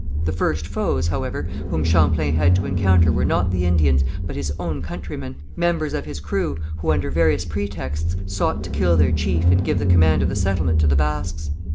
The first foes, however, whom Champlain had to encounter were not the Indians, but his own countrymen, members of his crew who under various pretexts sought to kill their chief and give the command of the settlement to the Basques.